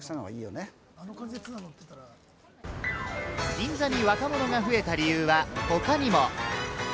銀座に若者が増えた理由は他にも。